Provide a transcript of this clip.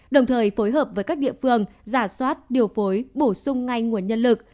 đồng thời phối hợp với các địa phương giả soát điều phối bổ sung ngay nguồn nhân lực